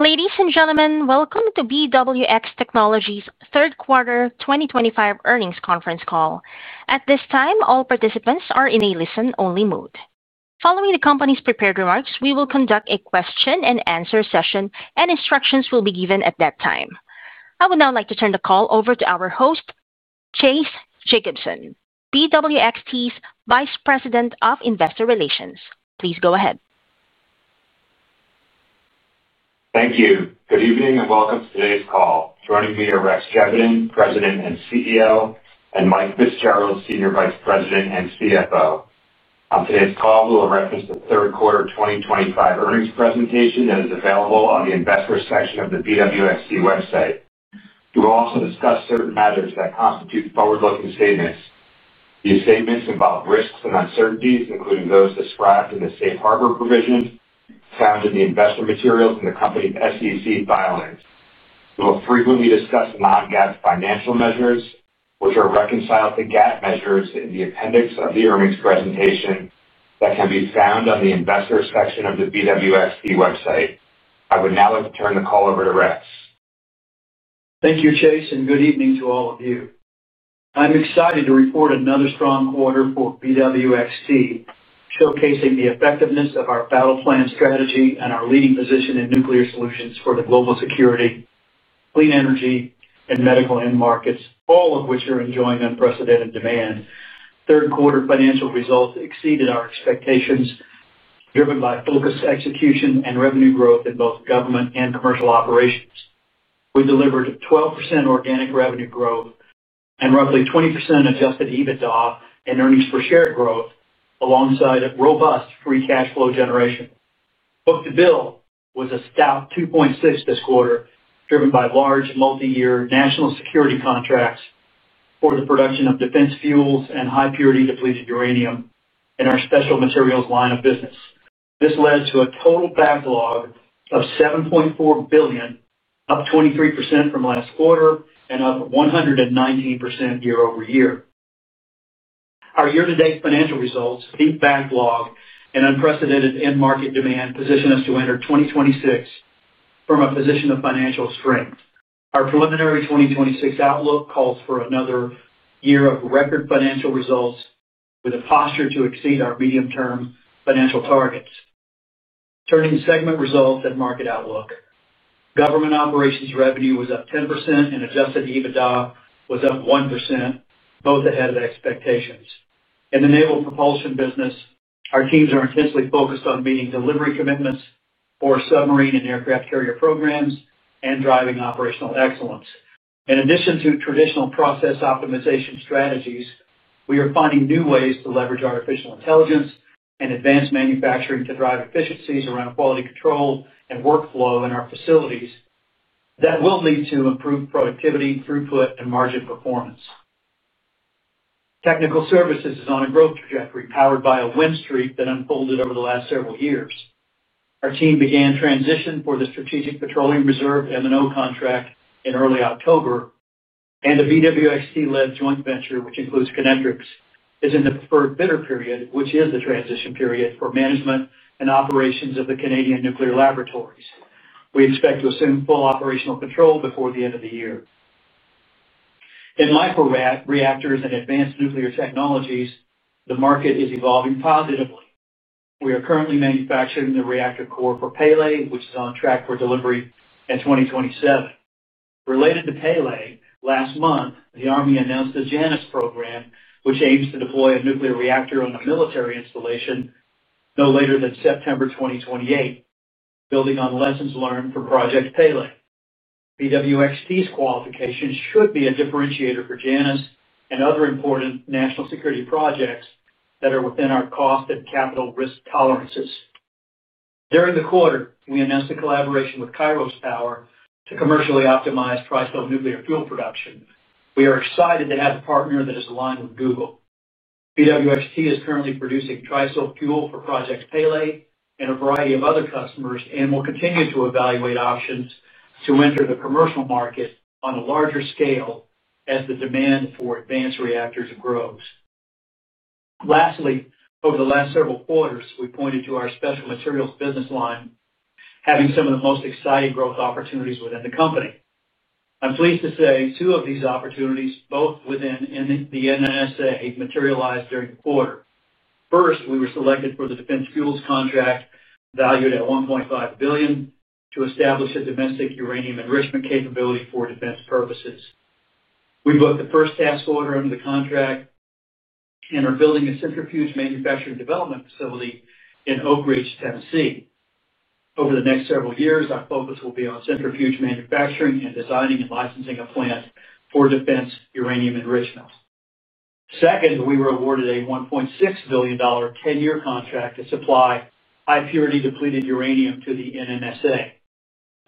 Ladies and gentlemen, welcome to BWX Technologies' third quarter 2025 earnings conference call. At this time, all participants are in a listen-only mode. Following the company's prepared remarks, we will conduct a question-and-answer session, and instructions will be given at that time. I would now like to turn the call over to our host, Chase Jacobson, BWX Technologies' Vice President of Investor Relations. Please go ahead. Thank you. Good evening and welcome to today's call. Joining me are Rex Geveden, President and CEO, and Mike Fitzgerald, Senior Vice President and CFO. On today's call, we will reference the third quarter 2025 earnings presentation that is available on the investor section of the BWX Technologies website. We will also discuss certain matters that constitute forward-looking statements. These statements involve risks and uncertainties, including those described in the safe harbor provision found in the investor materials and the company's SEC filings. We will frequently discuss non-GAAP financial measures, which are reconciled to GAAP measures in the appendix of the earnings presentation that can be found on the investor section of the BWX Technologies website. I would now like to turn the call over to Rex. Thank you, Chase, and good evening to all of you. I'm excited to report another strong quarter for BWX Technologies, showcasing the effectiveness of our battle plan strategy and our leading position in nuclear solutions for the global security, clean energy, and medical end markets, all of which are enjoying unprecedented demand. Third quarter financial results exceeded our expectations, driven by focused execution and revenue growth in both government and commercial operations. We delivered 12% organic revenue growth and roughly 20% adjusted EBITDA and earnings per share growth, alongside robust free cash flow generation. Book-to-bill was a stout 2.6 this quarter, driven by large multi-year national security contracts for the production of defense fuels and high purity depleted uranium in our special materials line of business. This led to a total backlog of $7.4 billion, up 23% from last quarter and up 119% year-over-year. Our year-to-date financial results, deep backlog, and unprecedented end market demand position us to enter 2026 from a position of financial strength. Our preliminary 2026 outlook calls for another year of record financial results, with a posture to exceed our medium-term financial targets. Turning to segment results and market outlook, government operations revenue was up 10%, and adjusted EBITDA was up 1%, both ahead of expectations. In the naval propulsion business, our teams are intensely focused on meeting delivery commitments for submarine and aircraft carrier programs and driving operational excellence. In addition to traditional process optimization strategies, we are finding new ways to leverage artificial intelligence and advanced manufacturing to drive efficiencies around quality control and workflow in our facilities that will lead to improved productivity, throughput, and margin performance. Technical services is on a growth trajectory powered by a win streak that unfolded over the last several years. Our team began transition for the Strategic Petroleum Reserve M&O contract in early October, and the BWX Technologies-led joint venture, which includes Kinectrics, is in the preferred bidder period, which is the transition period for management and operations of the Canadian Nuclear Laboratories. We expect to assume full operational control before the end of the year. In microreactors and advanced nuclear technologies, the market is evolving positively. We are currently manufacturing the reactor core for Project PELE, which is on track for delivery in 2027. Related to PELE, last month, the Army announced the Janus program, which aims to deploy a nuclear reactor on a military installation no later than September 2028, building on lessons learned from Project PELE. BWX Technologies' qualifications should be a differentiator for Janus and other important national security projects that are within our cost and capital risk tolerances. During the quarter, we announced a collaboration with Kairos Power to commercially optimize TRISO nuclear fuel production. We are excited to have a partner that is aligned with Google. BWX Technologies is currently producing TRISO fuel for Project PELE and a variety of other customers and will continue to evaluate options to enter the commercial market on a larger scale as the demand for advanced reactors grows. Lastly, over the last several quarters, we pointed to our special materials business line having some of the most exciting growth opportunities within the company. I'm pleased to say two of these opportunities, both within and in the NNSA, materialized during the quarter. First, we were selected for the defense fuels contract valued at $1.5 billion to establish a domestic uranium enrichment capability for defense purposes. We booked the first task order under the contract. We are building a centrifuge manufacturing development facility in Oak Ridge, Tennessee. Over the next several years, our focus will be on centrifuge manufacturing and designing and licensing a plant for defense uranium enrichment. Second, we were awarded a $1.6 billion 10-year contract to supply high purity depleted uranium to the NNSA.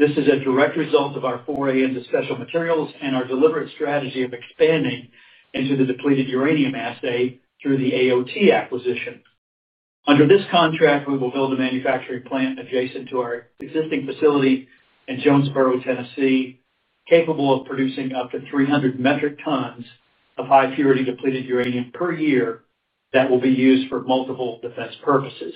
This is a direct result of our foray into special materials and our deliberate strategy of expanding into the depleted uranium assay through the AOT acquisition. Under this contract, we will build a manufacturing plant adjacent to our existing facility in Jonesboro, Tennessee, capable of producing up to 300 metric tons of high purity depleted uranium per year that will be used for multiple defense purposes.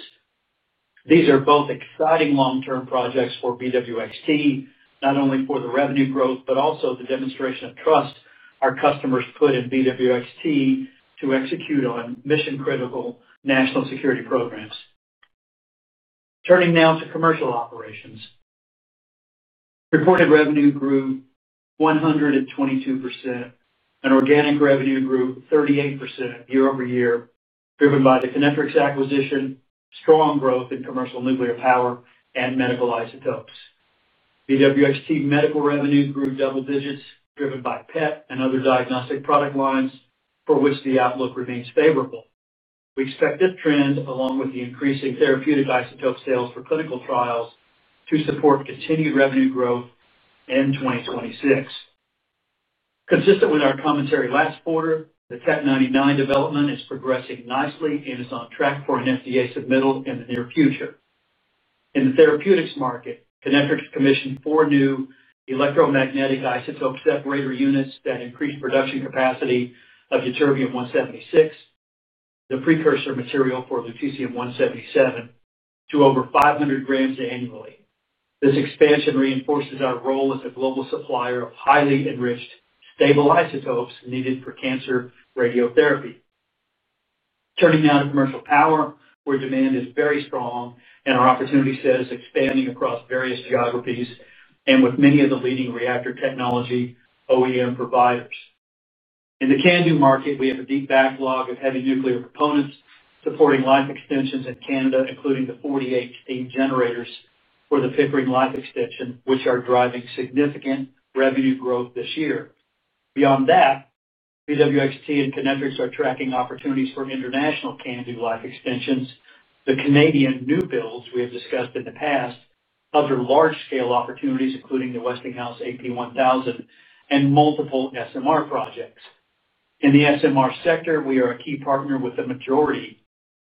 These are both exciting long-term projects for BWX Technologies, not only for the revenue growth, but also the demonstration of trust our customers put in BWX Technologies to execute on mission-critical national security programs. Turning now to commercial operations. Reported revenue grew 122% and organic revenue grew 38% year over year, driven by the Kinectrics acquisition, strong growth in commercial nuclear power, and medical isotopes. BWX Technologies medical revenue grew double digits, driven by PET and other diagnostic product lines, for which the outlook remains favorable. We expect this trend, along with the increasing therapeutic isotope sales for clinical trials, to support continued revenue growth in 2026. Consistent with our commentary last quarter, the PET-99 development is progressing nicely and is on track for an FDA submittal in the near future. In the therapeutics market, Kinectrics commissioned four new electromagnetic isotope separator units that increased production capacity of Ytterbium-176, the precursor material for Lutetium-177, to over 500 grams annually. This expansion reinforces our role as a global supplier of highly enriched stable isotopes needed for cancer radiotherapy. Turning now to commercial power, where demand is very strong and our opportunity set is expanding across various geographies and with many of the leading reactor technology OEM providers. In the CANDU market, we have a deep backlog of heavy nuclear components supporting life extensions in Canada, including the 48 generators for the Pickering life extension, which are driving significant revenue growth this year. Beyond that, BWX Technologies and Kinectrics are tracking opportunities for international CANDU life extensions and the Canadian new builds we have discussed in the past. Cover large-scale opportunities, including the Westinghouse AP1000 and multiple SMR projects. In the SMR sector, we are a key partner with the majority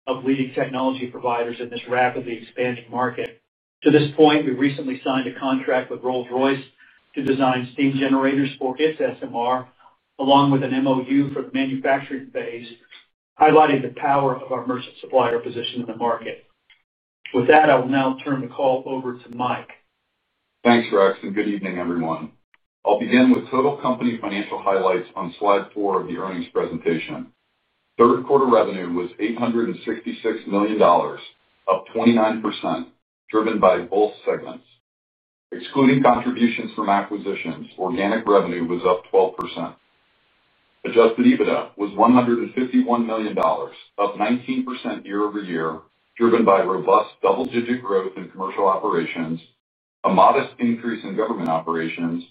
of leading technology providers in this rapidly expanding market. To this point, we recently signed a contract with Rolls-Royce to design steam generators for its SMR, along with an MOU for the manufacturing phase, highlighting the power of our merchant supplier position in the market. With that, I'll now turn the call over to Mike. Thanks, Rex. Good evening, everyone. I'll begin with total company financial highlights on slide four of the earnings presentation. Third quarter revenue was $866 million, up 29%, driven by both segments. Excluding contributions from acquisitions, organic revenue was up 12%. Adjusted EBITDA was $151 million, up 19% year over year, driven by robust double-digit growth in commercial operations, a modest increase in government operations,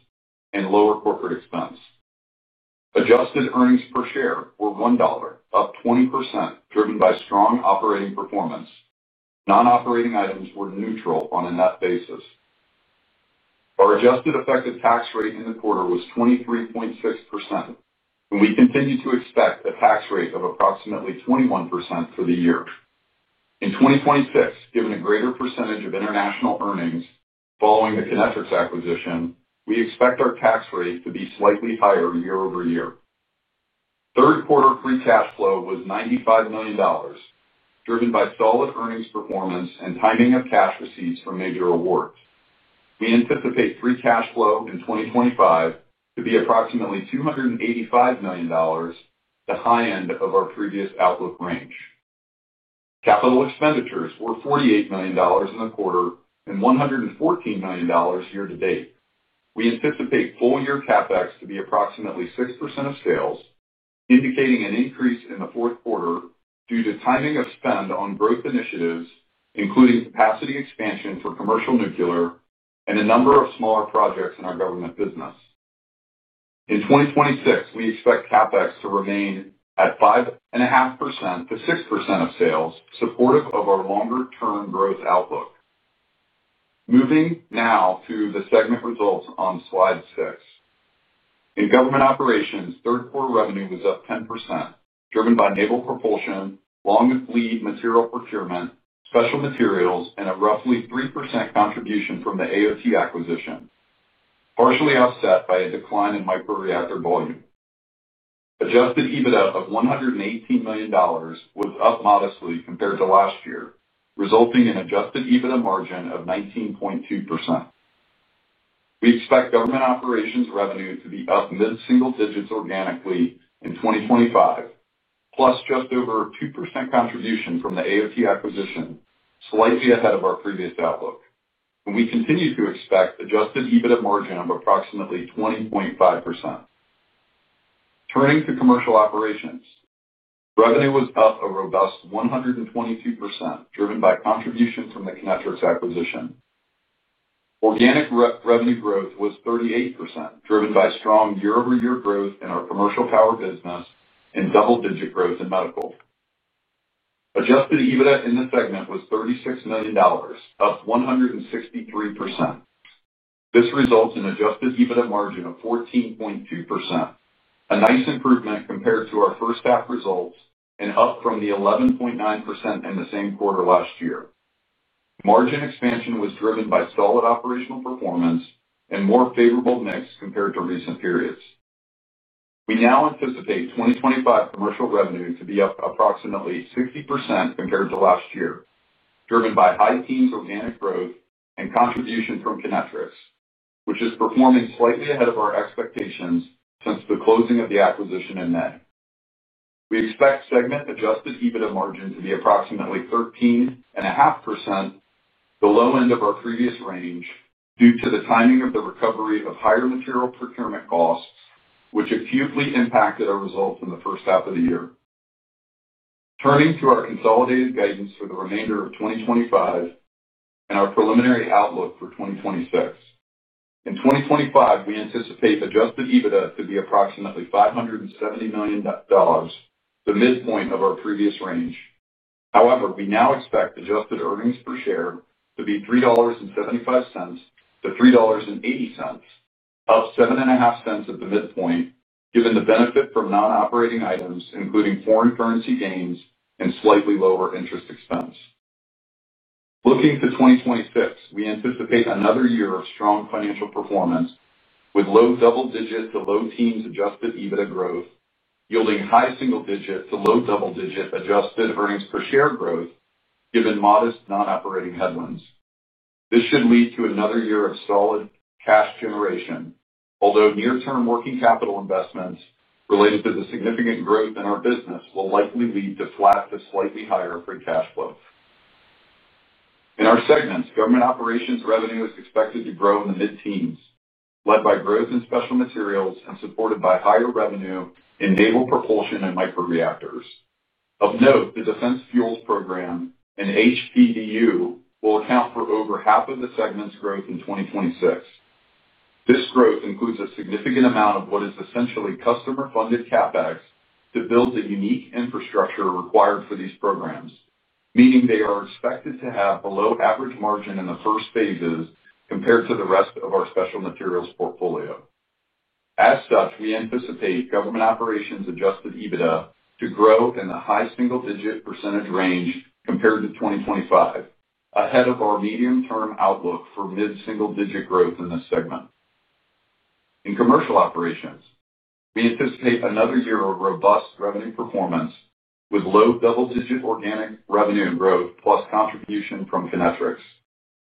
and lower corporate expense. Adjusted earnings per share were $1, up 20%, driven by strong operating performance. Non-operating items were neutral on a net basis. Our adjusted effective tax rate in the quarter was 23.6%, and we continue to expect a tax rate of approximately 21% for the year. In 2026, given a greater percentage of international earnings following the Kinectrics acquisition, we expect our tax rate to be slightly higher year-over-year. Third quarter free cash flow was $95 million, driven by solid earnings performance and timing of cash receipts from major awards. We anticipate free cash flow in 2025 to be approximately $285 million, the high end of our previous outlook range. Capital expenditures were $48 million in the quarter and $114 million year to date. We anticipate full-year CapEx to be approximately 6% of sales, indicating an increase in the fourth quarter due to timing of spend on growth initiatives, including capacity expansion for commercial nuclear and a number of smaller projects in our government business. In 2026, we expect CapEx to remain at 5.5%-6% of sales, supportive of our longer-term growth outlook. Moving now to the segment results on slide six. In government operations, third quarter revenue was up 10%, driven by naval propulsion, long and fleet material procurement, special materials, and a roughly 3% contribution from the AOT acquisition, partially offset by a decline in microreactor volume. Adjusted EBITDA of $118 million was up modestly compared to last year, resulting in adjusted EBITDA margin of 19.2%. We expect government operations revenue to be up mid-single digits organically in 2025, plus just over 2% contribution from the AOT acquisition, slightly ahead of our previous outlook. We continue to expect adjusted EBITDA margin of approximately 20.5%. Turning to commercial operations. Revenue was up a robust 122%, driven by contributions from the Kinectrics acquisition. Organic revenue growth was 38%, driven by strong year-over-year growth in our commercial power business and double-digit growth in medical. Adjusted EBITDA in this segment was $36 million, up 163%. This results in adjusted EBITDA margin of 14.2%, a nice improvement compared to our first half results and up from the 11.9% in the same quarter last year. Margin expansion was driven by solid operational performance and more favorable mix compared to recent periods. We now anticipate 2025 commercial revenue to be up approximately 60% compared to last year, driven by high teens organic growth and contribution from Kinectrics, which is performing slightly ahead of our expectations since the closing of the acquisition in May. We expect segment adjusted EBITDA margins to be approximately 13.5%. Below end of our previous range due to the timing of the recovery of higher material procurement costs, which acutely impacted our results in the first half of the year. Turning to our consolidated guidance for the remainder of 2025 and our preliminary outlook for 2026. In 2025, we anticipate adjusted EBITDA to be approximately $570 million, the midpoint of our previous range. However, we now expect adjusted earnings per share to be $3.75-$3.80, up 7.5% at the midpoint, given the benefit from non-operating items, including foreign currency gains and slightly lower interest expense. Looking to 2026, we anticipate another year of strong financial performance with low double digit to low teens adjusted EBITDA growth, yielding high single digit to low double digit adjusted earnings per share growth, given modest non-operating headwinds. This should lead to another year of solid cash generation, although near-term working capital investments related to the significant growth in our business will likely lead to flat to slightly higher free cash flows. In our segments, government operations revenue is expected to grow in the mid-teens, led by growth in special materials and supported by higher revenue in naval propulsion and micro-reactors. Of note, the defense fuels program and HPDU will account for over half of the segment's growth in 2026. This growth includes a significant amount of what is essentially customer-funded CapEx to build the unique infrastructure required for these programs, meaning they are expected to have below average margin in the first phases compared to the rest of our special materials portfolio. As such, we anticipate government operations' adjusted EBITDA to grow in the high single-digit percentage range compared to 2025, ahead of our medium-term outlook for mid-single digit growth in this segment. In commercial operations, we anticipate another year of robust revenue performance with low double digit organic revenue growth plus contribution from Kinectrics.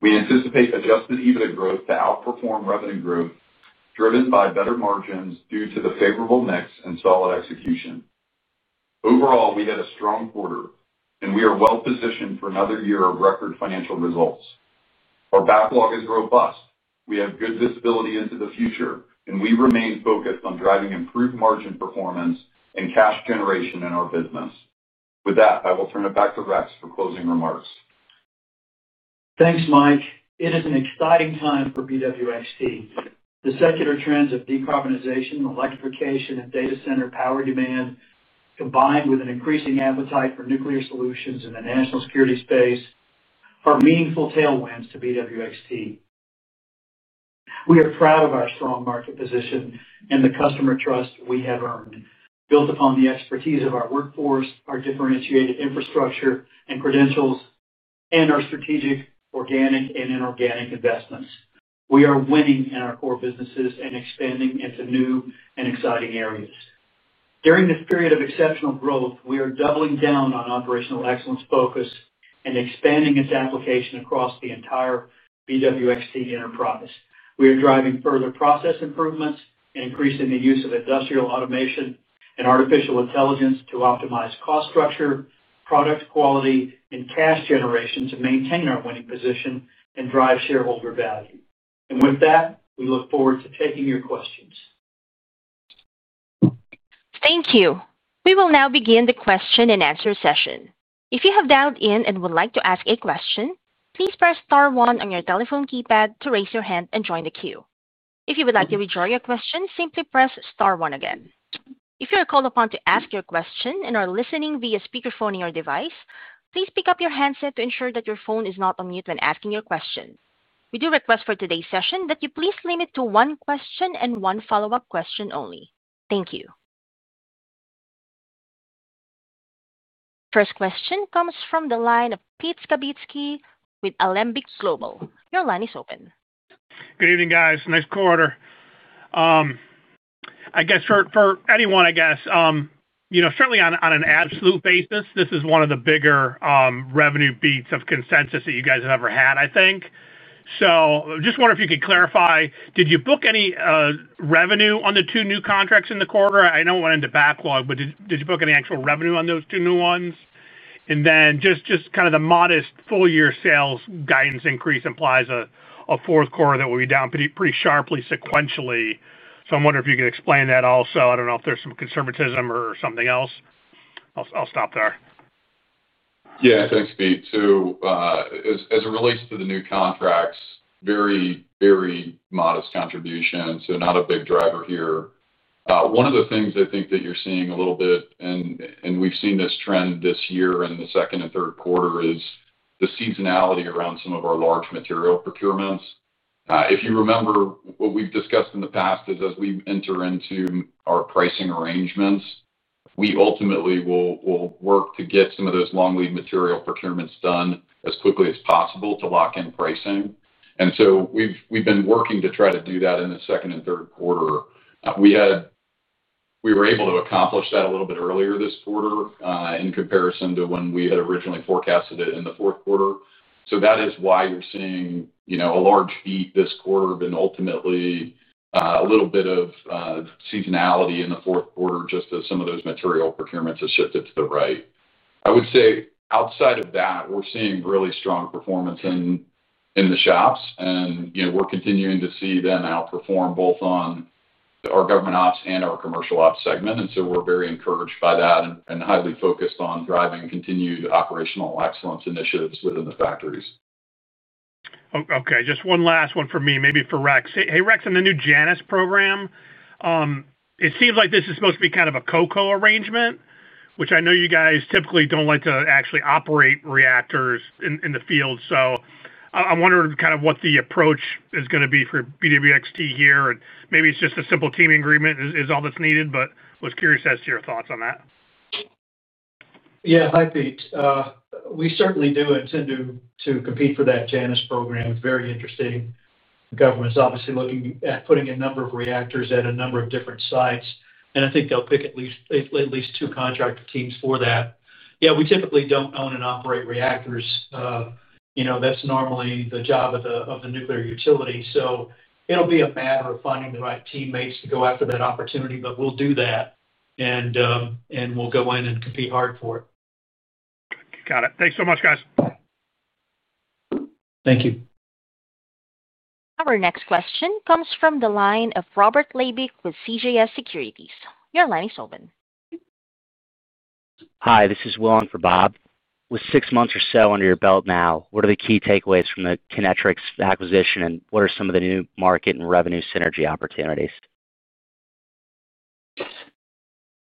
We anticipate adjusted EBITDA growth to outperform revenue growth, driven by better margins due to the favorable mix and solid execution. Overall, we had a strong quarter, and we are well positioned for another year of record financial results. Our backlog is robust. We have good visibility into the future, and we remain focused on driving improved margin performance and cash generation in our business. With that, I will turn it back to Rex for closing remarks. Thanks, Mike. It is an exciting time for BWX Technologies. The secular trends of decarbonization, electrification, and data center power demand, combined with an increasing appetite for nuclear solutions in the national security space, are meaningful tailwinds to BWX Technologies. We are proud of our strong market position and the customer trust we have earned, built upon the expertise of our workforce, our differentiated infrastructure and credentials, and our strategic organic and inorganic investments. We are winning in our core businesses and expanding into new and exciting areas. During this period of exceptional growth, we are doubling down on operational excellence focus and expanding its application across the entire BWX Technologies enterprise. We are driving further process improvements and increasing the use of industrial automation and artificial intelligence to optimize cost structure, product quality, and cash generation to maintain our winning position and drive shareholder value. And with we look forward to taking your questions. Thank you. We will now begin the question and answer session. If you have dialed in and would like to ask a question, please press *1 on your telephone keypad to raise your hand and join the queue. If you would like to withdraw your question, simply press *1 again. If you are called upon to ask your question and are listening via speakerphone in your device, please pick up your handset to ensure that your phone is not on mute when asking your question. We do request for today's session that you please limit to one question and one follow-up question only. Thank you. First question comes from the line of Pete Skibitski with Alembic Global Advisors. Your line is open. Good evening, guys. Nice quarter. I guess for anyone, you know, certainly on an absolute basis, this is one of the bigger revenue beats of consensus that you guys have ever had, I think. Just wonder if you could clarify, did you book any revenue on the two new contracts in the quarter? I know it went into backlog, but did you book any actual revenue on those two new ones? Just kind of the modest full-year sales guidance increase implies a fourth quarter that will be down pretty sharply sequentially. I'm wondering if you could explain that also. I don't know if there's some conservatism or something else. I'll stop there. Yeah, thanks, Kate. As it relates to the new contracts, very, very modest contributions, so not a big driver here. One of the things I think that you're seeing a little bit, and we've seen this trend this year in the second and third quarter, is the seasonality around some of our large material procurements. If you remember what we've discussed in the past is as we enter into our pricing arrangements, we ultimately will work to get some of those long lead material procurements done as quickly as possible to lock in pricing. We've been working to try to do that in the second and third quarter. We were able to accomplish that a little bit earlier this quarter in comparison to when we had originally forecasted it in the fourth quarter. That is why you're seeing, you know, a large feat this quarter and ultimately a little bit of seasonality in the fourth quarter just as some of those material procurements have shifted to the right. I would say outside of that, we're seeing really strong performance in the shops, and we're continuing to see them outperform both on our government ops and our commercial ops segment. We're very encouraged by that and highly focused on driving continued operational excellence initiatives within the factories. Okay, just one last one for me, maybe for Rex. Hey, Rex, in the new Janus program. It seems like this is supposed to be kind of a co-co arrangement, which I know you guys typically do not like to actually operate reactors in the field. I am wondering kind of what the approach is going to be for BWX Technologies here. And maybe it is just a simple team agreement is all that is needed, but was curious as to your thoughts on that. Yeah, hi, Pete. We certainly do intend to compete for that Janus program. It's very interesting. The government's obviously looking at putting a number of reactors at a number of different sites, and I think they'll pick at least two contract teams for that. Yeah, we typically don't own and operate reactors. You know, that's normally the job of the nuclear utility. So it'll be a matter of finding the right teammates to go after that opportunity, but we'll do that and we'll go in and compete hard for it. Got it. Thanks so much, guys. Thank you. Our next question comes from the line of Robert Levick with CJS Securities. Your line is open. Hi, this is Will on for Bob. With six months or so under your belt now, what are the key takeaways from the Kinectrics acquisition and what are some of the new market and revenue synergy opportunities? As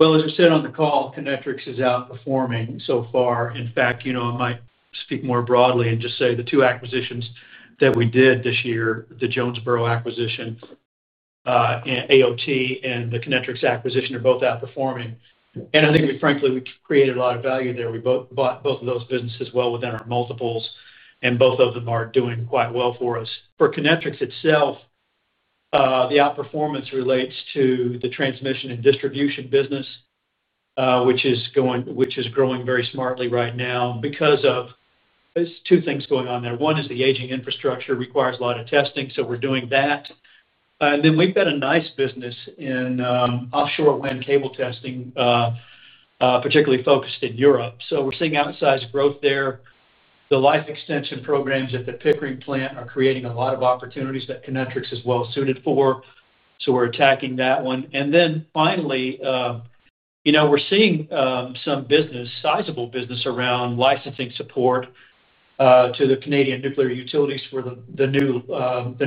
I said on the call, Kinectrics is outperforming so far. In fact, you know, I might speak more broadly and just say the two acquisitions that we did this year, the Jonesboro acquisition, AOT, and the Kinectrics acquisition are both outperforming. I think, frankly, we created a lot of value there. We bought both of those businesses well within our multiples, and both of them are doing quite well for us. For Kinectrics itself, the outperformance relates to the transmission and distribution business, which is growing very smartly right now because of two things going on there. One is the aging infrastructure requires a lot of testing, so we're doing that. Then we've got a nice business in offshore wind cable testing, particularly focused in Europe. We're seeing outsized growth there. The life extension programs at the Pickering plant are creating a lot of opportunities that Kinectrics is well suited for, so we're attacking that one. Finally, you know, we're seeing some business, sizable business around licensing support to the Canadian nuclear utilities for the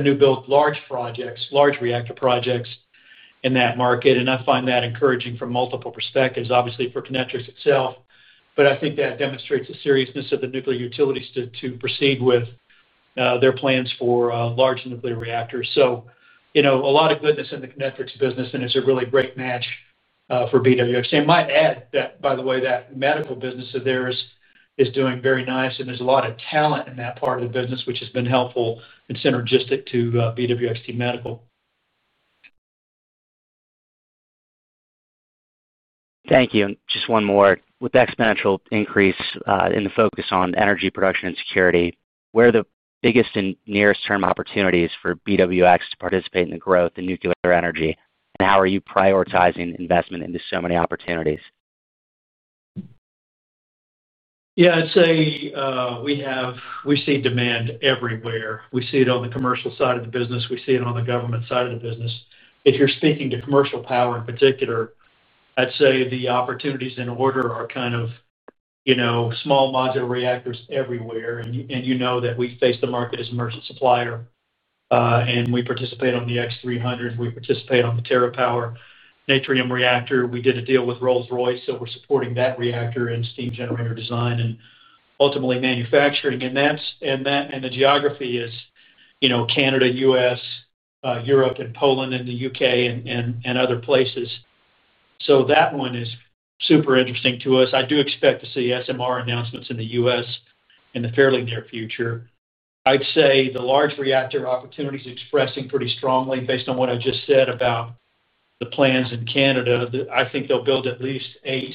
new build large projects, large reactor projects in that market. I find that encouraging from multiple perspectives, obviously for Kinectrics itself, but I think that demonstrates the seriousness of the nuclear utilities to proceed with their plans for large nuclear reactors. You know, a lot of goodness in the Kinectrics business, and it's a really great match for BWX. I might add that, by the way, that medical business of theirs is doing very nice, and there's a lot of talent in that part of the business, which has been helpful and synergistic to BWX Technologies Medical. Thank you. Just one more. With the exponential increase in the focus on energy production and security, where are the biggest and nearest term opportunities for BWX Technologies to participate in the growth in nuclear energy? How are you prioritizing investment into so many opportunities? Yeah, I'd say we see demand everywhere. We see it on the commercial side of the business. We see it on the government side of the business. If you're speaking to commercial power in particular, I'd say the opportunities in order are kind of, you know, small modular reactors everywhere. And you know that we face the market as a merchant supplier. We participate on the X300. We participate on the TerraPower Natrium reactor. We did a deal with Rolls-Royce, so we're supporting that reactor and steam generator design and ultimately manufacturing. That and the geography is, you know, Canada, US, Europe, and Poland, and the U.K., and other places. That one is super interesting to us. I do expect to see SMR announcements in the U.S. in the fairly near future. I'd say the large reactor opportunities are expressing pretty strongly based on what I just said about the plans in Canada. I think they'll build at least eight,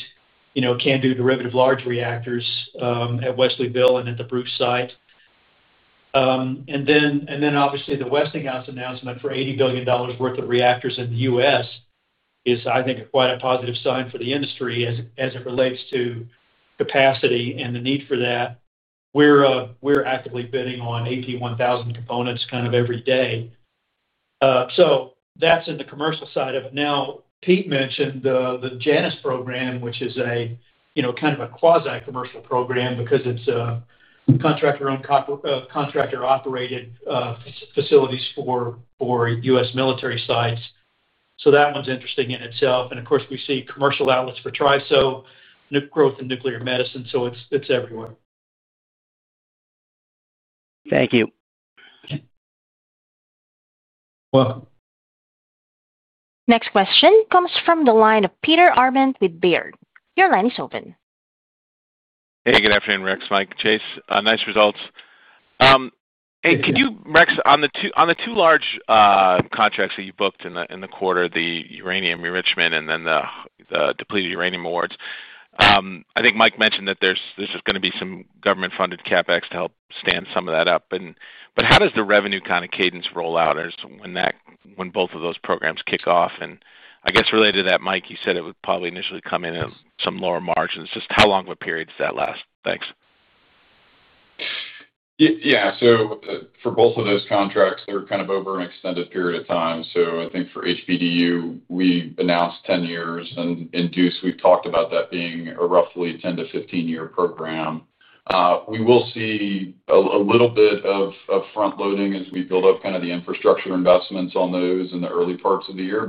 you know, CANDU derivative large reactors at Wesleyville and at the Bruce site. Obviously the Westinghouse announcement for $80 billion worth of reactors in the U.S. is, I think, quite a positive sign for the industry as it relates to capacity and the need for that. We're actively bidding on 81,000 components kind of every day. That's in the commercial side of it. Now, Pete mentioned the Janus program, which is a, you know, kind of a quasi-commercial program because it's a contractor-owned contractor-operated facility for U.S. military sites. That one's interesting in itself. Of course, we see commercial outlets for TRISO, growth in nuclear medicine. It's everywhere. Thank you. Well. Next question comes from the line of Peter Arment with Baird. Your line is open. Hey, good afternoon, Rex, Mike, Chase. Nice results. Could you, Rex, on the two large contracts that you booked in the quarter, the uranium enrichment and then the depleted uranium awards, I think Mike mentioned that there's just going to be some government-funded CapEx to help stand some of that up. How does the revenue kind of cadence roll out when both of those programs kick off? I guess related to that, Mike, you said it would probably initially come in at some lower margins. Just how long of a period does that last? Thanks. Yeah, for both of those contracts, they're kind of over an extended period of time. I think for HBDU, we announced 10 years and induced, we've talked about that being a roughly 10-15 year program. We will see a little bit of front-loading as we build up kind of the infrastructure investments on those in the early parts of the year.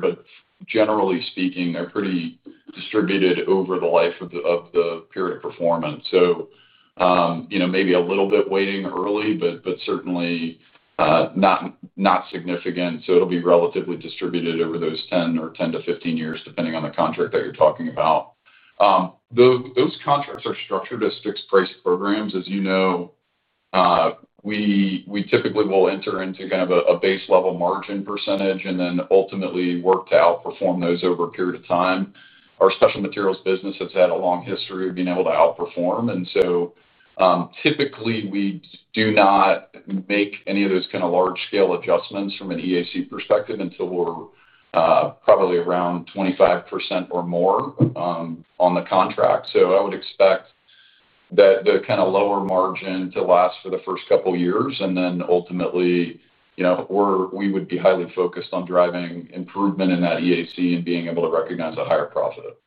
Generally speaking, they're pretty distributed over the life of the period of performance. You know, maybe a little bit weighting early, but certainly not significant. It will be relatively distributed over those 10 or 10-15 years, depending on the contract that you're talking about. Those contracts are structured as fixed-price programs. As you know, we typically will enter into kind of a base-level margin percentage and then ultimately work to outperform those over a period of time. Our special materials business has had a long history of being able to outperform. Typically, we do not make any of those kind of large-scale adjustments from an EAC perspective until we're probably around 25% or more on the contract. I would expect that the kind of lower margin to last for the first couple of years. Ultimately, you know, we would be highly focused on driving improvement in that EAC and being able to recognize a higher profit.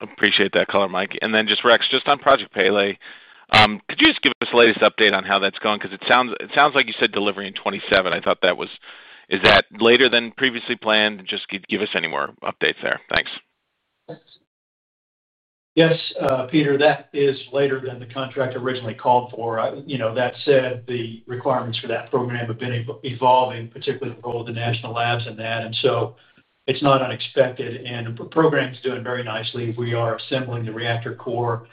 Appreciate that color, Mike. Rex, just on Project PELE, could you just give us the latest update on how that's going? Because it sounds like you said delivery in 2027. I thought that was, is that later than previously planned? Just give us any more updates there. Thanks. Yes, Peter, that is later than the contract originally called for. You know, that said, the requirements for that program have been evolving, particularly the role of the national labs in that. It is not unexpected. The program's doing very nicely. We are assembling the reactor core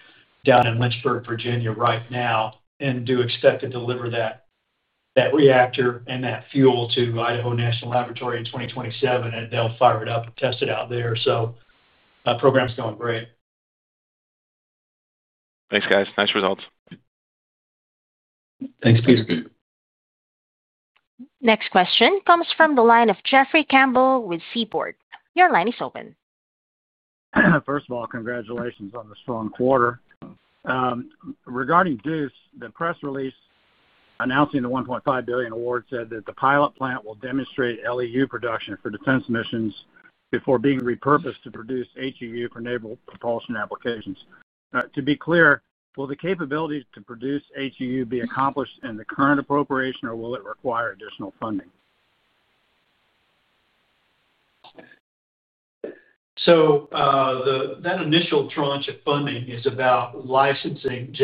down in Lynchburg, Virginia right now and do expect to deliver that reactor and that fuel to Idaho National Laboratory in 2027. They will fire it up and test it out there. The program's going great. Thanks, guys. Nice results. Thanks, Peter. Next question comes from the line of Jeffrey Campbell with Seaport Research Partners. Your line is open. First of all, congratulations on the strong quarter. Regarding DUSE, the press release announcing the $1.5 billion award said that the pilot plant will demonstrate LEU production for defense missions before being repurposed to produce HEU for naval propulsion applications. To be clear, will the capabilities to produce HEU be accomplished in the current appropriation, or will it require additional funding? That initial tranche of funding is about licensing.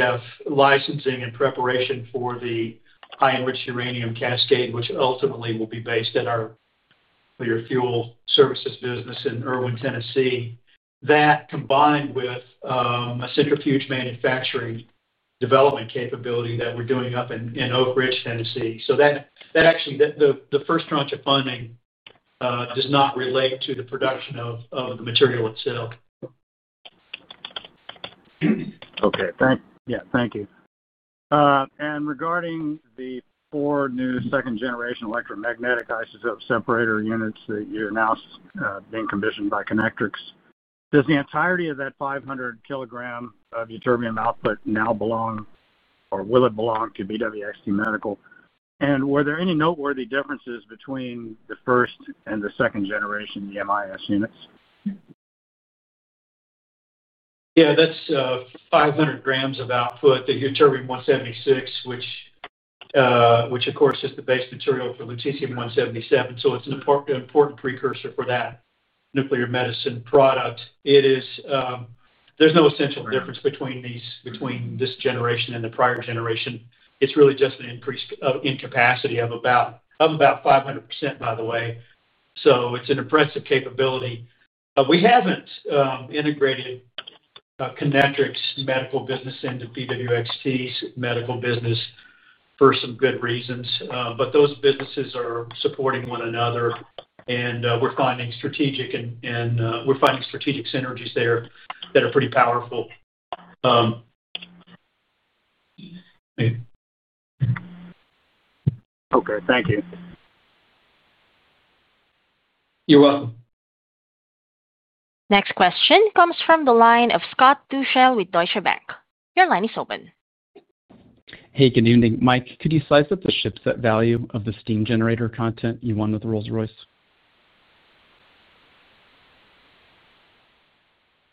Licensing and preparation for the high-enriched uranium cascade, which ultimately will be based at our fuel services business in Erwin, Tennessee. That combined with a centrifuge manufacturing development capability that we are doing up in Oak Ridge, Tennessee. So that actually, the first tranche of funding does not relate to the production of the material itself. Okay, thanks. Yeah, thank you. Regarding the four new second-generation electromagnetic isotope separator units that you announced being commissioned by Kinectrics, does the entirety of that 500 kilogram of ytterbium output now belong, or will it belong to BWX Technologies Medical? And were there any noteworthy differences between the first and the second-generation EMIS units? Yeah, that's 500 grams of output, the Ytterbium-176, which of course is the base material for lutetium-177. It's an important precursor for that nuclear medicine product. There's no essential difference between this generation and the prior generation. It's really just an increase in capacity of about 500%, by the way. It's an impressive capability. We haven't integrated Kinectrics' medical business into BWX Technologies' medical business for some good reasons. Those businesses are supporting one another, and we're finding strategic synergies there that are pretty powerful. Okay, thank you. You're welcome. Next question comes from the line of Scott Deuschle with Deutsche Bank. Your line is open. Hey, good evening. Mike, could you slice up the chipset value of the steam generator content you won with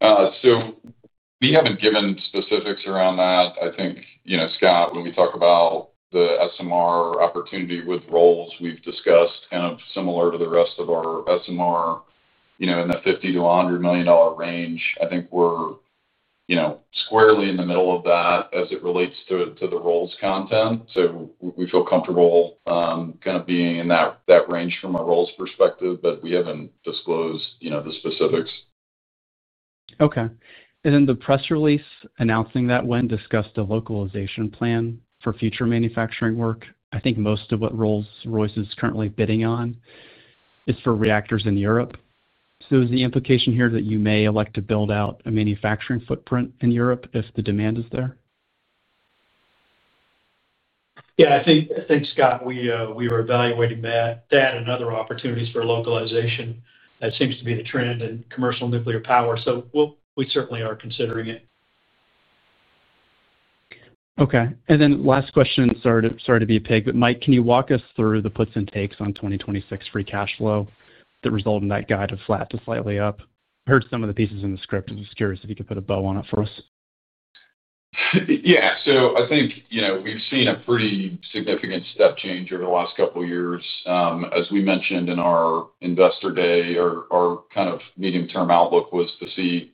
Rolls-Royce? We have not given specifics around that. I think, you know, Scott, when we talk about the SMR opportunity with Rolls, we have discussed kind of similar to the rest of our SMR, you know, in the $50 million-$100 million range. I think we are, you know, squarely in the middle of that as it relates to the Rolls content. We feel comfortable kind of being in that range from a Rolls perspective, but we have not disclosed, you know, the specifics. Okay. The press release announcing that discussed a localization plan for future manufacturing work. I think most of what Rolls-Royce is currently bidding on is for reactors in Europe. Is the implication here that you may elect to build out a manufacturing footprint in Europe if the demand is there? Yeah, I think, Scott, we were evaluating that and other opportunities for localization. That seems to be the trend in commercial nuclear power. So we certainly are considering it. Okay. Last question, and sorry to be a pig, but Mike, can you walk us through the puts and takes on 2026 free cash flow that result in that guide of flat to slightly up? I heard some of the pieces in the script. I'm just curious if you could put a bow on it for us. Yeah. So I think, you know, we've seen a pretty significant step change over the last couple of years. As we mentioned in our investor day, our kind of medium-term outlook was to see,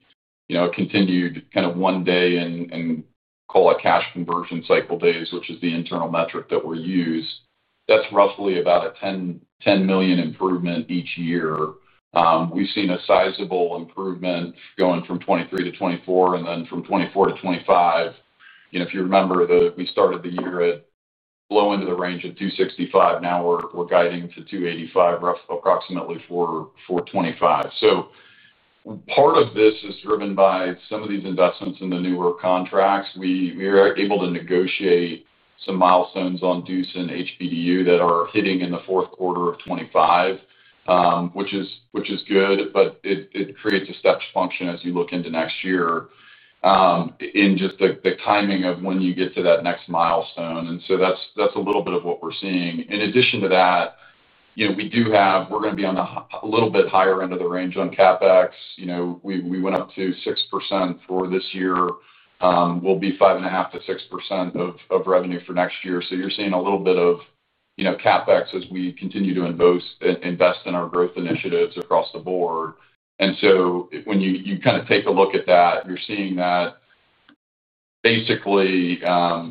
you know, a continued kind of one-day and call it cash conversion cycle days, which is the internal metric that we use. That's roughly about a $10 million improvement each year. We've seen a sizable improvement going from 2023 to 2024 and then from 2024 to 2025. You know, if you remember, we started the year at low end of the range of $265. Now we're guiding to $285 approximately for 2025. Part of this is driven by some of these investments in the newer contracts. We were able to negotiate some milestones on DUSE and HBDU that are hitting in the fourth quarter of 2025, which is good, but it creates a steps function as you look into next year, in just the timing of when you get to that next milestone. And so that's a little bit of what we're seeing. In addition to that, you know, we do have, we're going to be on the a little bit higher end of the range on CapEx. You know, we went up to 6% for this year. We'll be 5.5%-6% of revenue for next year. So you're seeing a little bit of, you know, CapEx as we continue to invest in our growth initiatives across the board. And so when you kind of take a look at that, you're seeing that. Basically,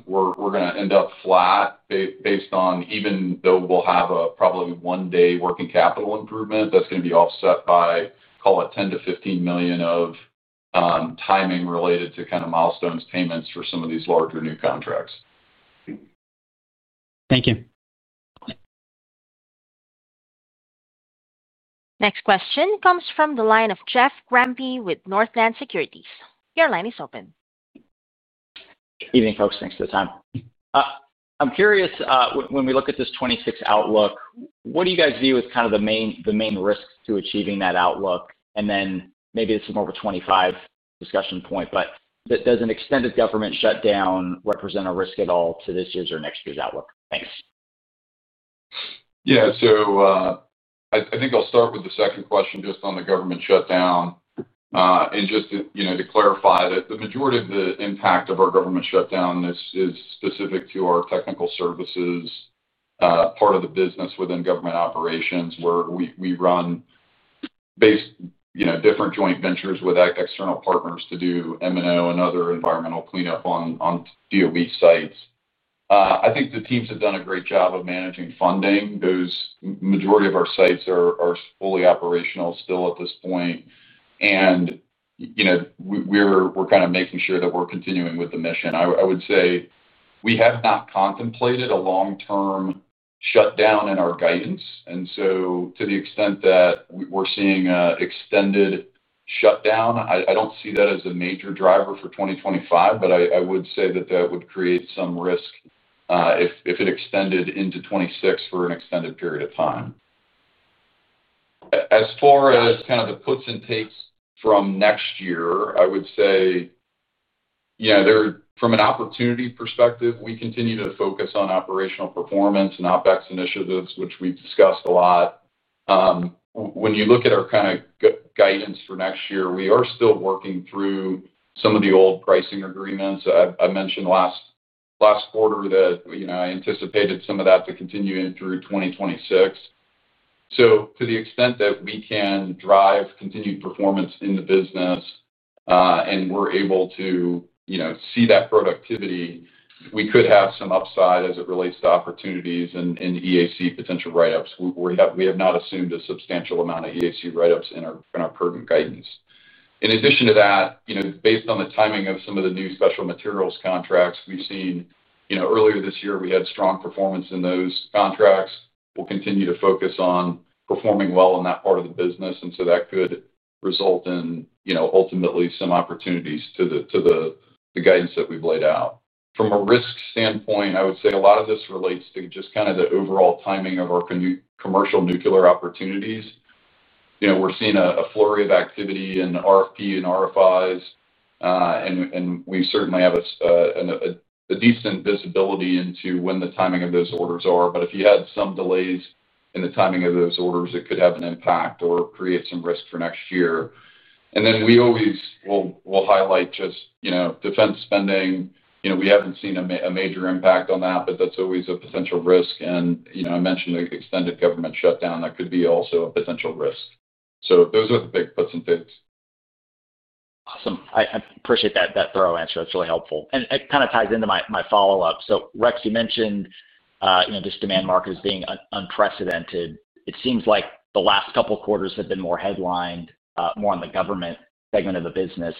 we're going to end up flat based on even though we'll have a probably one-day working capital improvement that's going to be offset by, call it, $10-$15 million of timing related to kind of milestone payments for some of these larger new contracts. Thank you. Next question comes from the line of Jeff Grampp with Northland Securities. Your line is open. Evening, folks. Thanks for the time. I'm curious, when we look at this 2026 outlook, what do you guys view as kind of the main risks to achieving that outlook? And then maybe this is more of a 2025 discussion point, but does an extended government shutdown represent a risk at all to this year's or next year's outlook? Thanks. Yeah, so. I think I'll start with the second question just on the government shutdown. And just to clarify that the majority of the impact of our government shutdown is specific to our technical services part of the business within government operations where we run, based, you know, different joint ventures with external partners to do M&O and other environmental cleanup on DOE sites. I think the teams have done a great job of managing funding. The majority of our sites are fully operational still at this point. And, you know, we're kind of making sure that we're continuing with the mission. I would say we have not contemplated a long-term shutdown in our guidance. To the extent that we're seeing an extended shutdown, I don't see that as a major driver for 2025, but I would say that that would create some risk if it extended into 2026 for an extended period of time. As far as kind of the puts and takes from next year, I would say, yeah, from an opportunity perspective, we continue to focus on operational performance and OpEx initiatives, which we've discussed a lot. When you look at our kind of guidance for next year, we are still working through some of the old pricing agreements. I mentioned last quarter that, you know, I anticipated some of that to continue in through 2026. To the extent that we can drive continued performance in the business and we're able to, you know, see that productivity, we could have some upside as it relates to opportunities and EAC potential write-ups. We have not assumed a substantial amount of EAC write-ups in our current guidance. In addition to that, you know, based on the timing of some of the new special materials contracts we've seen, you know, earlier this year, we had strong performance in those contracts. We'll continue to focus on performing well on that part of the business, and so that could result in, you know, ultimately some opportunities to the guidance that we've laid out. From a risk standpoint, I would say a lot of this relates to just kind of the overall timing of our commercial nuclear opportunities. You know, we're seeing a flurry of activity in RFP and RFIs, and we certainly have a decent visibility into when the timing of those orders are. If you had some delays in the timing of those orders, it could have an impact or create some risk for next year. We always will highlight just, you know, defense spending. You know, we haven't seen a major impact on that, but that's always a potential risk. I mentioned the extended government shutdown that could be also a potential risk. Those are the big puts and takes. Awesome. I appreciate that thorough answer. That's really helpful. It kind of ties into my follow-up. Rex, you mentioned, you know, this demand market is being unprecedented. It seems like the last couple of quarters have been more headlined, more on the government segment of the business.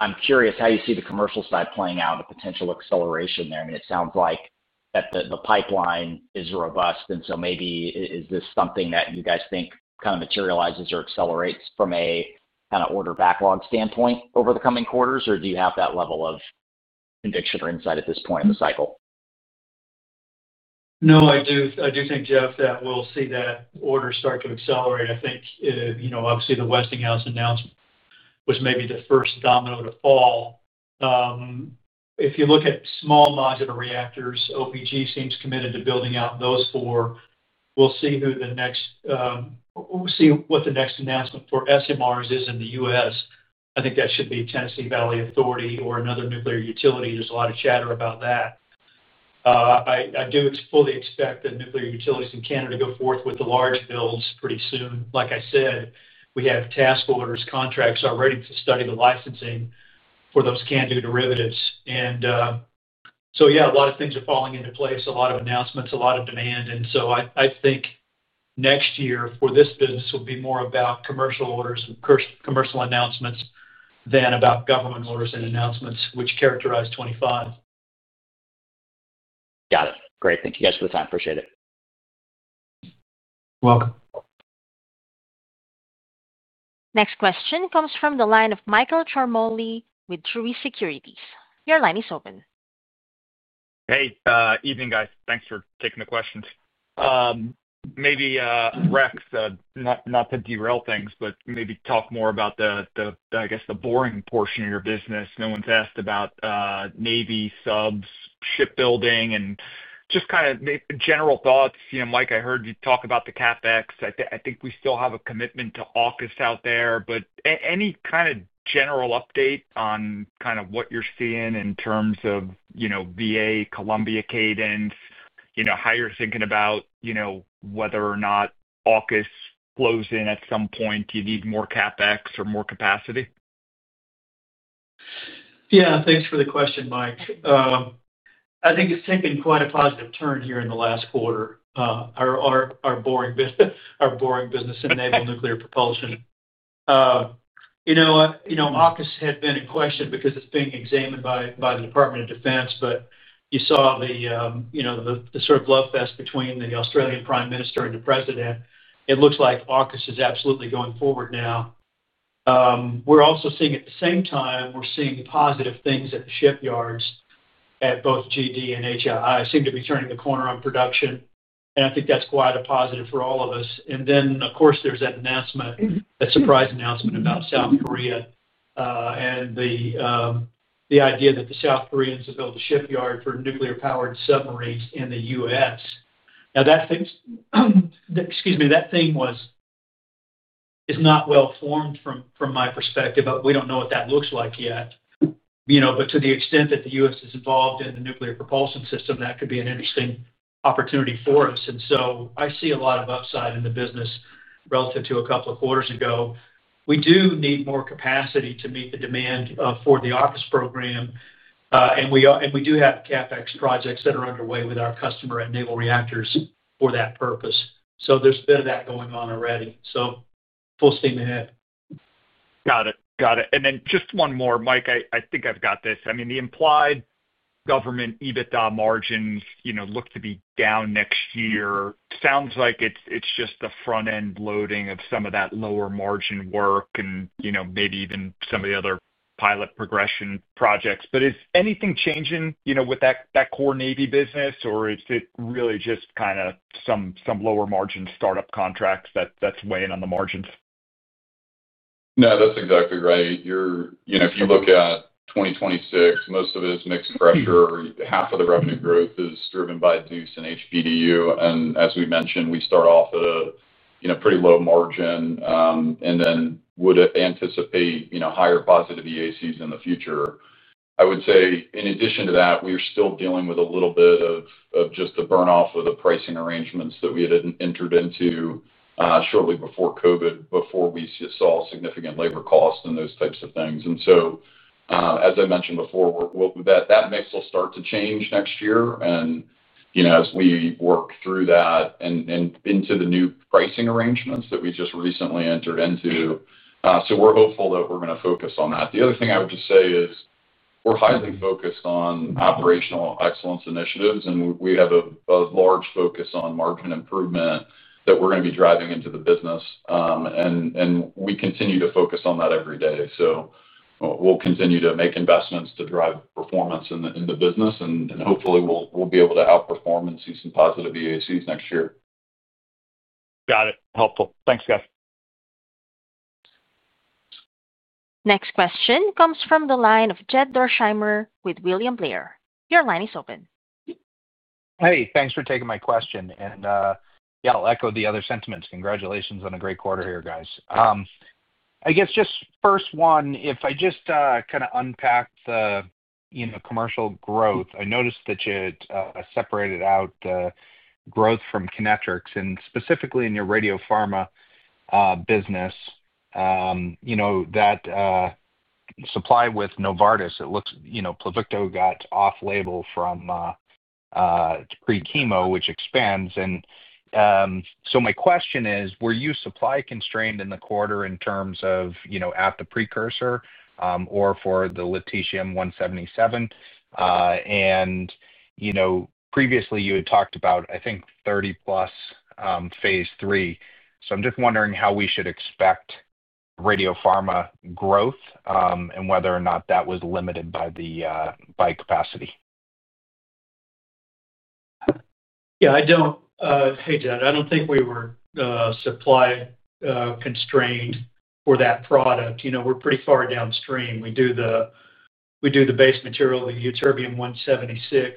I'm curious how you see the commercial side playing out, the potential acceleration there. I mean, it sounds like the pipeline is robust. Maybe is this something that you guys think kind of materializes or accelerates from a kind of order backlog standpoint over the coming quarters? Or do you have that level of conviction or insight at this point in the cycle? No, I do think, Jeff, that we'll see that order start to accelerate. I think, you know, obviously the Westinghouse announcement was maybe the first domino to fall. If you look at small modular reactors, OPG seems committed to building out those four. We'll see who the next, we'll see what the next announcement for SMRs is in the U.S. I think that should be Tennessee Valley Authority or another nuclear utility. There's a lot of chatter about that. I do fully expect the nuclear utilities in Canada to go forth with the large builds pretty soon. Like I said, we have task orders, contracts already to study the licensing for those CANDU derivatives. A lot of things are falling into place, a lot of announcements, a lot of demand. I think next year for this business will be more about commercial orders and commercial announcements than about government orders and announcements which characterize 2025. Got it. Great. Thank you guys for the time. Appreciate it. You're welcome. Next question comes from the line of Michael Ciarmoli with Truist Securities. Your line is open. Hey, evening, guys. Thanks for taking the questions. Maybe, Rex, not to derail things, but maybe talk more about, I guess, the boring portion of your business. No one's asked about. Navy subs, shipbuilding, and just kind of general thoughts. You know, Mike, I heard you talk about the CapEx. I think we still have a commitment to AUKUS out there, but any kind of general update on kind of what you're seeing in terms of, you know, VA, Columbia cadence, you know, how you're thinking about, you know, whether or not AUKUS flows in at some point, do you need more CapEx or more capacity? Yeah, thanks for the question, Mike. I think it's taken quite a positive turn here in the last quarter. Our boring business in naval nuclear propulsion. You know, AUKUS had been in question because it's being examined by the Department of Defense, but you saw the, you know, the sort of love fest between the Australian Prime Minister and the President. It looks like AUKUS is absolutely going forward now. We're also seeing, at the same time, we're seeing positive things at the shipyards at both GD and HII seem to be turning the corner on production. I think that's quite a positive for all of us. Then, of course, there's that announcement, that surprise announcement about South Korea. The idea that the South Koreans have built a shipyard for nuclear-powered submarines in the U.S. Now, that thing, excuse me, that theme is not well formed from my perspective, but we don't know what that looks like yet. You know, but to the extent that the U.S. is involved in the nuclear propulsion system, that could be an interesting opportunity for us. I see a lot of upside in the business relative to a couple of quarters ago. We do need more capacity to meet the demand for the AUKUS program. We do have CapEx projects that are underway with our customer and naval reactors for that purpose. There's been that going on already. Full steam ahead. Got it. Got it. And then just one more, Mike, I think I've got this. I mean, the implied government EBITDA margins, you know, look to be down next year. Sounds like it's just the front-end loading of some of that lower margin work and, you know, maybe even some of the other pilot progression projects. Is anything changing, you know, with that core navy business, or is it really just kind of some lower margin startup contracts that's weighing on the margins? No, that's exactly right. You're, you know, if you look at 2026, most of it is mixed pressure. Half of the revenue growth is driven by DUSE and HBDU. And as we mentioned, we start off at a, you know, pretty low margin. And then would anticipate, you know, higher positive EACs in the future. I would say in addition to that, we're still dealing with a little bit of just the burn-off of the pricing arrangements that we had entered into shortly before COVID, before we saw significant labor costs and those types of things. As I mentioned before, that mix will start to change next year. You know, as we work through that and into the new pricing arrangements that we just recently entered into. We're hopeful that we're going to focus on that. The other thing I would just say is we're highly focused on operational excellence initiatives, and we have a large focus on margin improvement that we're going to be driving into the business. We continue to focus on that every day. We'll continue to make investments to drive performance in the business, and hopefully we'll be able to outperform and see some positive EACs next year. Got it. Helpful. Thanks, guys. Next question comes from the line of Jed Dorsheimer with William Blair. Your line is open. Hey, thanks for taking my question. Yeah, I'll echo the other sentiments. Congratulations on a great quarter here, guys. I guess just first one, if I just kind of unpack the, you know, commercial growth, I noticed that you had separated out growth from Kinectrics and specifically in your radiopharma business. You know, that supply with Novartis, it looks, you know, Pluvicto got off-label from pre-chemo, which expands. My question is, were you supply constrained in the quarter in terms of, you know, at the precursor or for the Lutetium-177? You know, previously you had talked about, I think, 30-plus phase three. I'm just wondering how we should expect radiopharma growth and whether or not that was limited by the capacity. Yeah, I don't, hey, Jed, I don't think we were supply constrained for that product. You know, we're pretty far downstream. We do the base material, the Ytterbium-176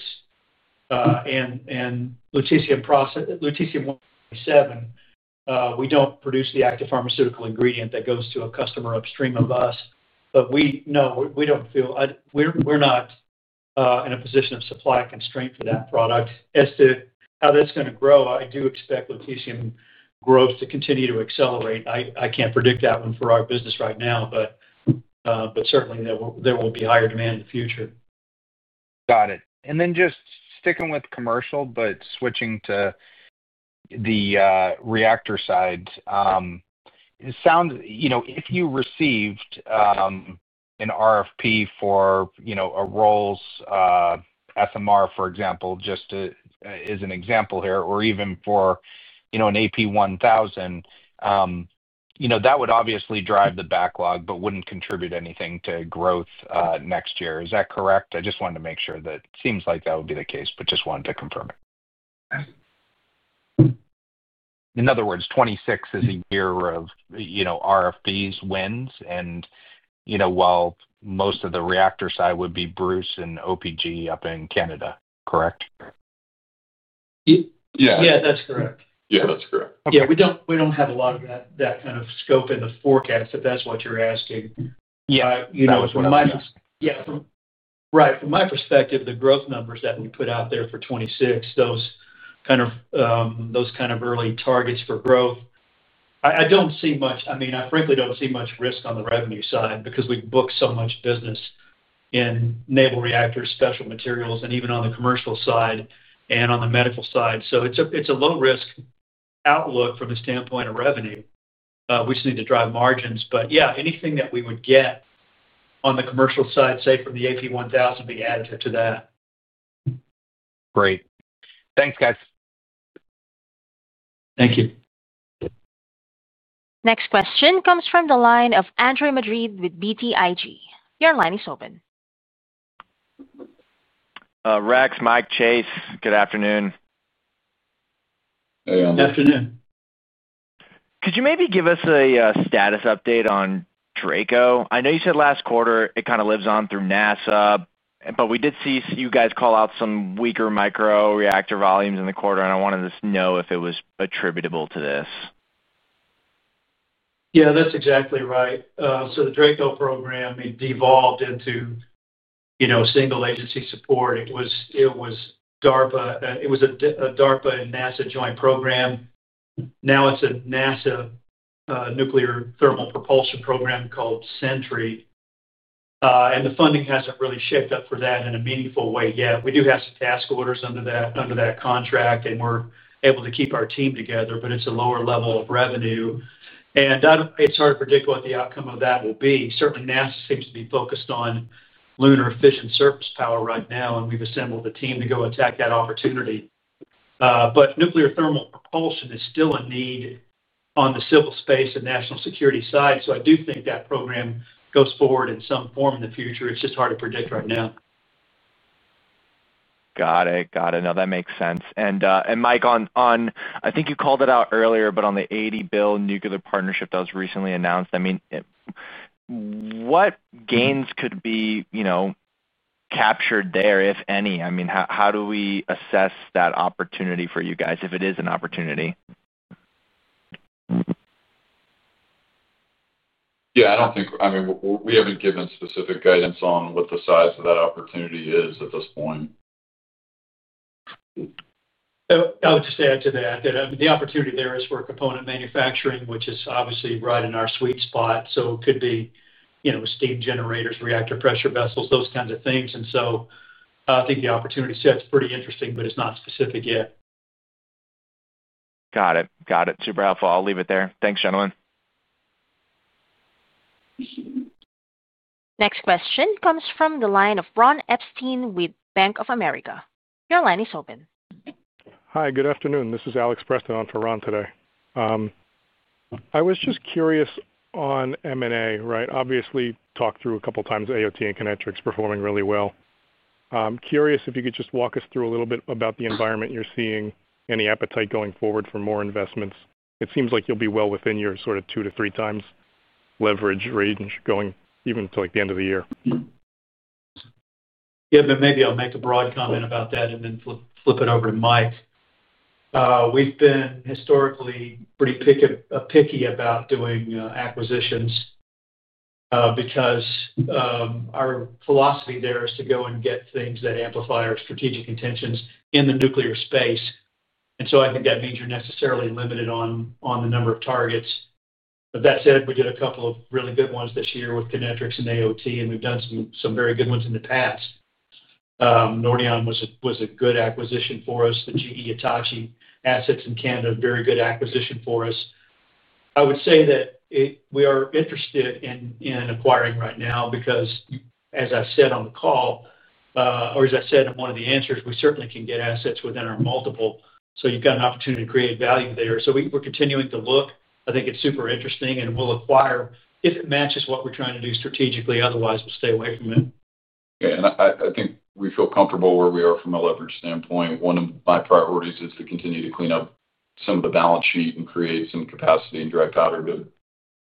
and Lutetium-177. We don't produce the active pharmaceutical ingredient that goes to a customer upstream of us. You know, we don't feel, we're not in a position of supply constraint for that product. As to how that's going to grow, I do expect Lutetium growth to continue to accelerate. I can't predict that one for our business right now, but certainly there will be higher demand in the future. Got it. And then just sticking with commercial, but switching to the reactor side. It sounds, you know, if you received an RFP for, you know, a Rolls-Royce SMR, for example, just as an example here, or even for, you know, an AP1000, you know, that would obviously drive the backlog, but would not contribute anything to growth next year. Is that correct? I just wanted to make sure that it seems like that would be the case, but just wanted to confirm it. In other words, 2026 is a year of, you know, RFPs, wins. And, you know, while most of the reactor side would be Bruce and OPG up in Canada, correct? Yeah, that's correct. Yeah, that's correct. Yeah, we don't have a lot of that kind of scope in the forecast, if that's what you're asking. Yeah, you know, f from my. Yeah. Right. From my perspective, the growth numbers that we put out there for 2026, those kind of early targets for growth. I don't see much, I mean, I frankly don't see much risk on the revenue side because we book so much business in naval reactors, special materials, and even on the commercial side and on the medical side. It is a low-risk outlook from the standpoint of revenue. We just need to drive margins. Yeah, anything that we would get on the commercial side, say from the AP1000, would be additive to that. Great. Thanks, guys. Thank you. Next question comes from the line of Andre Madrid with BTIG. Your line is open. Rex, Mike, Chase, good afternoon. Hey, good afternoon. Could you maybe give us a status update on Draco? I know you said last quarter it kind of lives on through NASA, but we did see you guys call out some weaker micro reactor volumes in the quarter, and I wanted to know if it was attributable to this. Yeah, that's exactly right. The Draco program devolved into single agency support. It was DARPA, it was a DARPA and NASA joint program. Now it's a NASA nuclear thermal propulsion program called Sentry. The funding hasn't really shaped up for that in a meaningful way yet. We do have some task orders under that contract, and we're able to keep our team together, but it's a lower level of revenue. It's hard to predict what the outcome of that will be. Certainly, NASA seems to be focused on lunar efficient surface power right now, and we've assembled a team to go attack that opportunity. Nuclear thermal propulsion is still a need on the civil space and national security side. I do think that program goes forward in some form in the future. It's just hard to predict right now. Got it. Got it. No, that makes sense. Mike, on, I think you called it out earlier, but on the $80 billion nuclear partnership that was recently announced, I mean, what gains could be, you know, captured there, if any? I mean, how do we assess that opportunity for you guys if it is an opportunity? Yeah, I don't think, I mean, we haven't given specific guidance on what the size of that opportunity is at this point. I would just add to that that the opportunity there is for component manufacturing, which is obviously right in our sweet spot. It could be, you know, steam generators, reactor pressure vessels, those kinds of things. I think the opportunity set's pretty interesting, but it's not specific yet. Got it. Got it. Super helpful. I'll leave it there. Thanks, gentlemen. Next question comes from the line of Ron Epstein with Bank of America. Your line is open. Hi, good afternoon. This is Alex Preston on for Ron today. I was just curious on M&A, right? Obviously, talked through a couple of times AOT and Kinectrics performing really well. Curious if you could just walk us through a little bit about the environment you're seeing, any appetite going forward for more investments. It seems like you'll be well within your sort of two to three times leverage range going even to like the end of the year. Yeah, then maybe I'll make a broad comment about that and then flip it over to Mike. We've been historically pretty picky about doing acquisitions because our philosophy there is to go and get things that amplify our strategic intentions in the nuclear space. I think that means you're necessarily limited on the number of targets. That said, we did a couple of really good ones this year with Kinectrics and AOT, and we've done some very good ones in the past. Nordion was a good acquisition for us. The GE-Hitachi assets in Canada, very good acquisition for us. I would say that we are interested in acquiring right now because, as I said on the call, or as I said in one of the answers, we certainly can get assets within our multiple. You've got an opportunity to create value there. We're continuing to look. I think it's super interesting and we'll acquire if it matches what we're trying to do strategically. Otherwise, we'll stay away from it. Yeah, and I think we feel comfortable where we are from a leverage standpoint. One of my priorities is to continue to clean up some of the balance sheet and create some capacity and dry powder to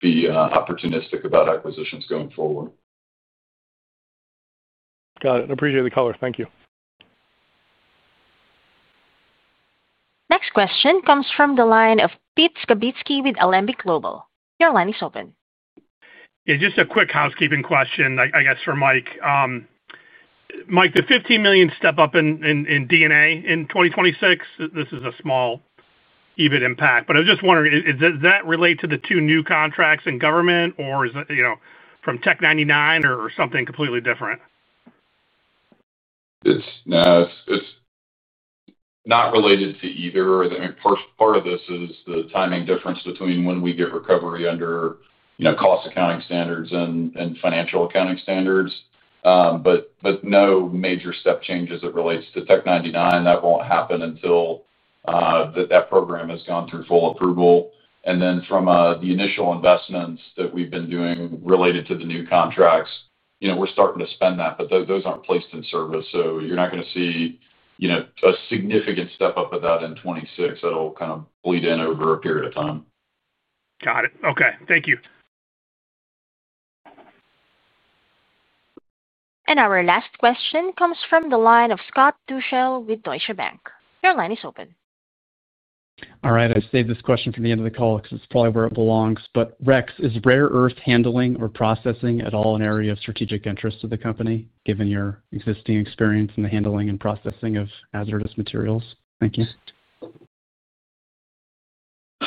be opportunistic about acquisitions going forward. Got it. I appreciate the color. Thank you. Next question comes from the line of Pete Skibitski with Alembic Global Advisors. Your line is open. Yeah, just a quick housekeeping question, I guess, for Mike. Mike, the $15 million step up in DNA in 2026? This is a small EBIT impact, but I'm just wondering, does that relate to the two new contracts in government or is it, you know, from Tech 99 or something completely different? It's not related to either. I mean, part of this is the timing difference between when we get recovery under, you know, cost accounting standards and financial accounting standards. No major step changes that relates to Tech 99. That will not happen until that program has gone through full approval. From the initial investments that we've been doing related to the new contracts, you know, we're starting to spend that, but those are not placed in service. You are not going to see, you know, a significant step up of that in 2026. That will kind of bleed in over a period of time. Got it. Okay. Thank you. Our last question comes from the line of Scott Deuschle with Deutsche Bank. Your line is open. All right. I saved this question for the end of the call because it's probably where it belongs. But Rex, is rare earth handling or processing at all an area of strategic interest to the company, given your existing experience in the handling and processing of hazardous materials? Thank you.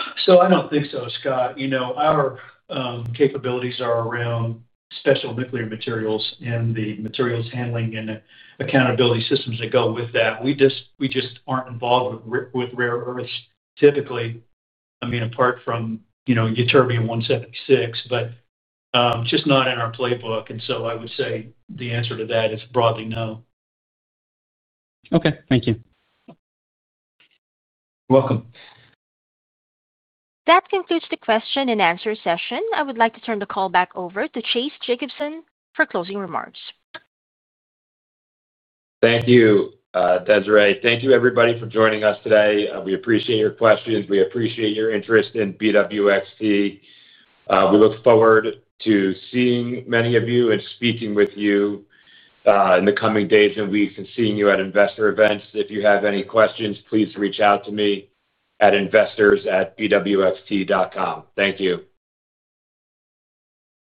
I do not think so, Scott. You know, our capabilities are around special nuclear materials and the materials handling and the accountability systems that go with that. We just are not involved with rare earths typically, I mean, apart from, you know, Ytterbium-176, but just not in our playbook. I would say the answer to that is broadly no. Okay. Thank you. You're welcome. That concludes the question and answer session. I would like to turn the call back over to Chase Jacobson for closing remarks. Thank you, Desri. Thank you, everybody, for joining us today. We appreciate your questions. We appreciate your interest in BWXT. We look forward to seeing many of you and speaking with you in the coming days and weeks and seeing you at investor events. If you have any questions, please reach out to me at investors@bwxt.com. Thank you.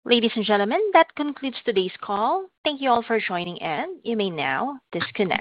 Ladies and gentlemen, that concludes today's call. Thank you all for joining in. You may now disconnect.